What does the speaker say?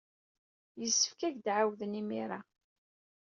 Yessefk ad ak-d-ɛawden imir-a.